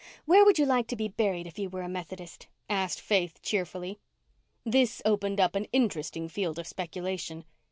"Where would you like to be buried if you were a Methodist?" asked Faith cheerfully. This opened up an interesting field of speculation.